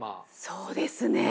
そうですね。